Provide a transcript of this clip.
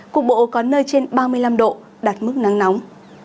cục bộ có nơi trên ba mươi năm độ đạt mức nắng nóng